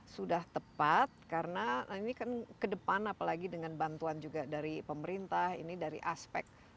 sudah tepat karena ini kan ke depan apalagi dengan bantuan juga dari pemerintah ini dari aspek